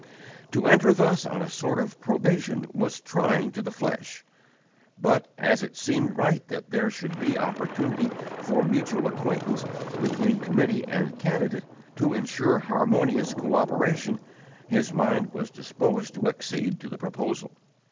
To enter thus on a sort of probation was trying to the flesh, but, as it seemed right that there should be opportunity for mutual acquaintance between committee and candidate, to insure harmonious cooperation, his mind was disposed to accede to the proposal.